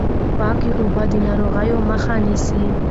پاکې اوبه د ناروغیو مخه نیسي۔